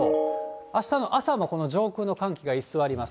あしたの朝もこの上空の寒気が居座ります。